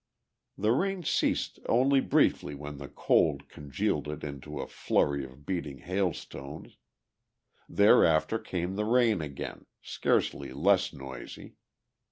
The rain ceased only briefly when the cold congealed it into a flurry of beating hail stones; thereafter came the rain again, scarcely less noisy.